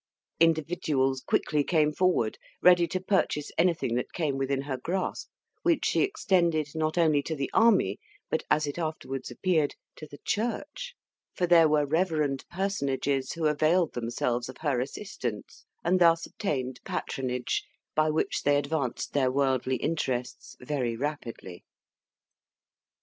Individuals quickly came forward, ready to purchase anything that came within her grasp, which she extended not only to the army, but, as it afterwards appeared, to the Church; for there were reverend personages who availed themselves of her assistance, and thus obtained patronage, by which they advanced their worldly interests very rapidly.